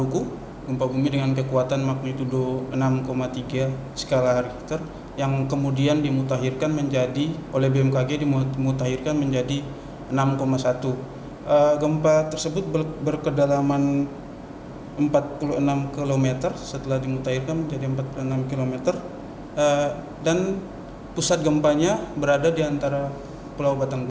empat puluh enam km setelah dimutahirkan menjadi empat puluh enam km dan pusat gempanya berada di antara pulau batang